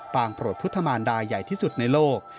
งโปรดพุทธมารดายใหญ่ที่สุดในโลก